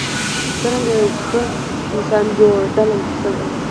څرنګه یو ښه انسان جوړیدای شم.